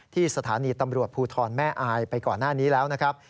ที่สถานีตำรวจภูทรแม่อายไปก่อนหน้านี้แล้วนะครับ